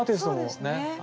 そうですね。